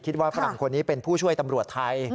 ฝรั่งคนนี้เป็นผู้ช่วยตำรวจไทย